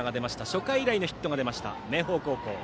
初回以来のヒットが出た明豊高校。